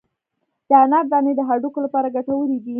د انار دانې د هډوکو لپاره ګټورې دي.